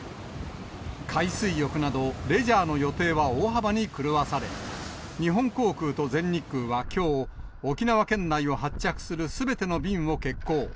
海水浴など、レジャーの予定は大幅に狂わされ、日本航空と全日空はきょう、沖縄県内を発着するすべての便を欠航。